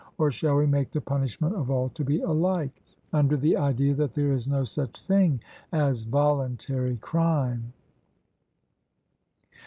or shall we make the punishment of all to be alike, under the idea that there is no such thing as voluntary crime?